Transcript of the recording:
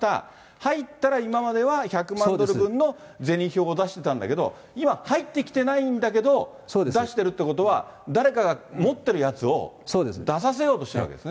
入ったら今までは、１００万ドル分の銭票を出してたんだけど、今入ってきてないんだけど、出してるってことは、誰かが持っているやつを出させようとしてるわけですね。